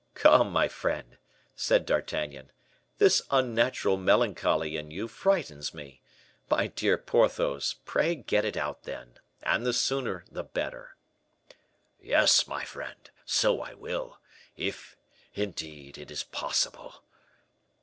"Come, my friend," said D'Artagnan, "this unnatural melancholy in you frightens me. My dear Porthos, pray get it out, then. And the sooner the better." "Yes, my friend, so I will: if, indeed, it is possible."